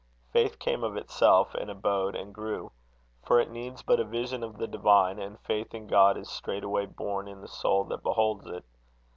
Faith came of itself, and abode, and grew; for it needs but a vision of the Divine, and faith in God is straightway born in the soul that beholds it.